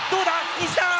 西田！